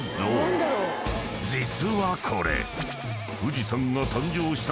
［実はこれ］